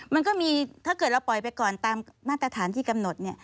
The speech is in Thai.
มันก็มีถ้าเกิดเราปล่อยไปก่อนตามมาตรฐานที่กำหนด